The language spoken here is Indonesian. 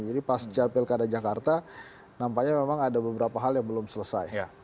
jadi pasca pilkada jakarta nampaknya memang ada beberapa hal yang belum selesai